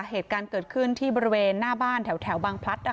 เหตุการณ์เกิดขึ้นที่บริเวณหน้าบ้านแถวบางพลัด